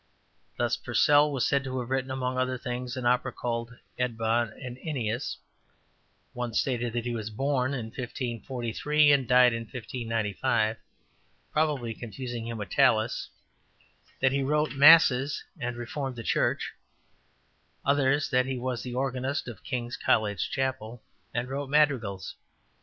Thus Purcell was said to have written, among other things, an opera called Ebdon and Eneas; one stated that he was born 1543 and died 1595, probably confusing him with Tallis, that he wrote masses and reformed the church music; another that he was the organist of King's College Chapel, and wrote madrigals.